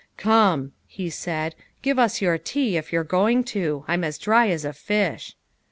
" Come," he said, " give us your tea if you're going to ; I'm as dry as a fish."